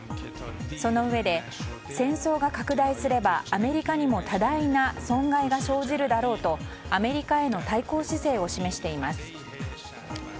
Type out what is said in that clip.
そのうえで、戦争が拡大すればアメリカにも多大な損害が生じるだろうとアメリカへの対抗姿勢を示しています。